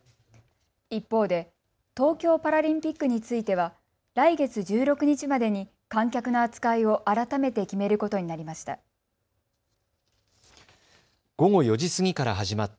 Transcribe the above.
一方で東京パラリンピックについては来月１６日までに観客の扱いを改めて決めることになりました。